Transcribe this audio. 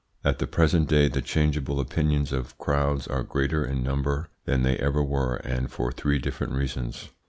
At the present day the changeable opinions of crowds are greater in number than they ever were, and for three different reasons.